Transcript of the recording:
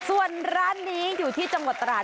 ส่วนร้านนี้อยู่ที่จังหวัดตราด